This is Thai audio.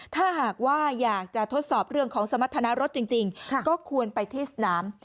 ถ้าหากว่าอยากจะทดสอบเรื่องของสมรรถนารถจริงก็ควรไปที่สนาม